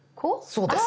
そうです。